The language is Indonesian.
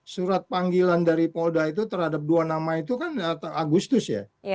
surat panggilan dari polda itu terhadap dua nama itu kan agustus ya